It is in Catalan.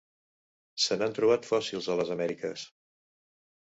Se n'han trobat fòssils a les Amèriques.